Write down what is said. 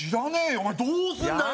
お前どうすんだよ！